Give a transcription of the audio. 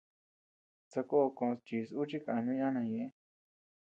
Sakó kos chis ú chi kànu yana ñeʼe.